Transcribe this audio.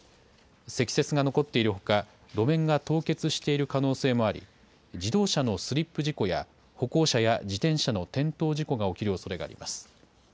積雪が残っているほか、路面が凍結している可能性もあり、自動車のスリップ事故や、歩行者や自転車の転倒事故が起きるおそれがあります。